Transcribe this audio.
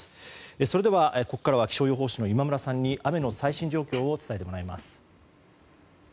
それでは、ここからは気象予報士の今村さんに雨の最新情報を伝えてもらいます。